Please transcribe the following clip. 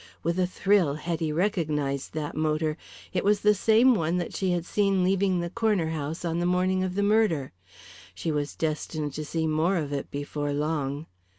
With a thrill Hetty recognized that motor. It was the same one that she had seen leaving the Corner House on the morning of the murder. She was destined to see more of it before long.